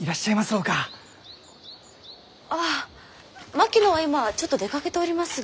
あ槙野は今ちょっと出かけておりますが。